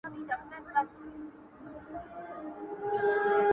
او که نه وي نو حتما به کیمیاګر یې.!